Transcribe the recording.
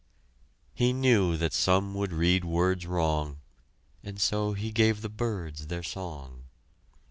He knew that some would read words wrong, And so He gave the birds their song.